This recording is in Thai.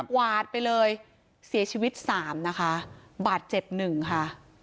กวาดไปเลยเสียชีวิตสามนะคะบาดเจ็บหนึ่งค่ะ